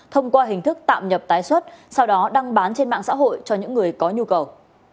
thông qua hình thức tạm nhập tái xuất sau đó đăng bán trên mạng xã hội cho những người có nhu cầu